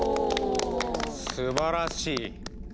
すばらしい。